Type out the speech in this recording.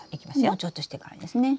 もうちょっとしてからですね。